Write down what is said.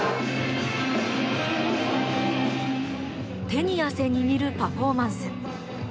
手に汗握るパフォーマンス。